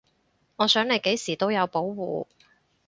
我想你幾時都有保護